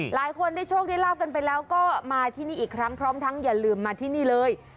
หลายคนได้โชคได้ลาบกันไปแล้วก็มาที่นี่อีกครั้งพร้อมทั้งอย่าลืมมาที่นี่เลย